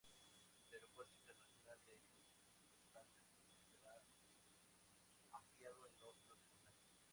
El Aeropuerto Internacional de Vršac será ampliado en los próximos años.